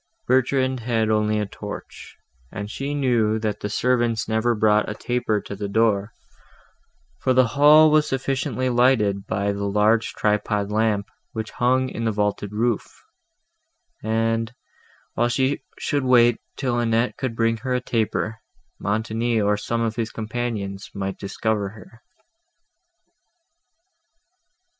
Bertrand had only a torch, and she knew, that the servants never brought a taper to the door, for the hall was sufficiently lighted by the large tripod lamp, which hung in the vaulted roof; and, while she should wait till Annette could bring a taper, Montoni, or some of his companions, might discover her.